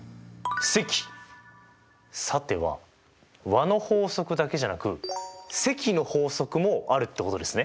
さては和の法則だけじゃなく積の法則もあるってことですね？